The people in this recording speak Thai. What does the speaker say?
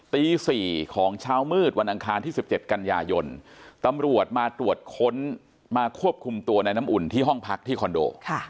ตี๔ของเช้ามืดวันอังคารที่๑๗กันยายนตำรวจมาตรวจค้นมาควบคุมตัวในน้ำอุ่นที่ห้องพักที่คอนโด